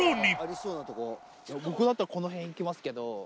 僕だったらこの辺いきますけど。